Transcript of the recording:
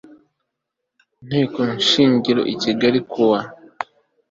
Nteko Shingiro I Kigali kuwa